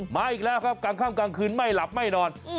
มาอีกแล้วครับกลางค่ำกลางคืนไม่หลับไม่นอน